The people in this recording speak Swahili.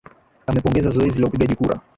amepongeza zoezi la upigaji kura